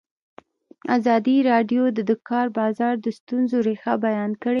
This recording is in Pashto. ازادي راډیو د د کار بازار د ستونزو رېښه بیان کړې.